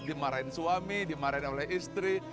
dimarahin suami dimarahin oleh istri